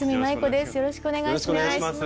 よろしくお願いします。